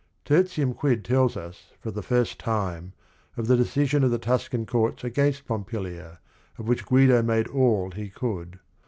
" Tertium Quid tells us for the first time of the decision of the Tuscan courts against Pompilia, of which Guido made all he could.